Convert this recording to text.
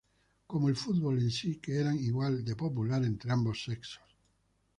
Como el fútbol en sí, que eran igual de popular entre ambos sexos.